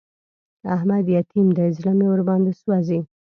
احمد يتيم دی؛ زړه مې ور باندې سوځي.